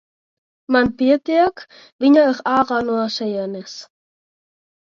Man pietiek, viņa ir ārā no šejienes.